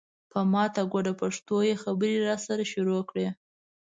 په ماته ګوډه پښتو یې خبرې راسره شروع کړې.